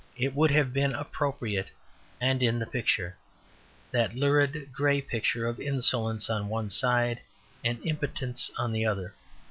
It would have been appropriate and in the picture; that lurid grey picture of insolence on one side and impotence on the other.